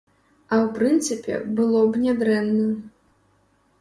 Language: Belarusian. А ў прынцыпе, было б нядрэнна.